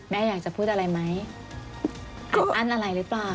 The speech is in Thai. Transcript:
แม่อยากจะพูดอะไรไหมอันอะไรรึเปล่า